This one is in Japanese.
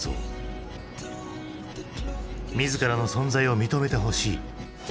自らの存在を認めてほしい。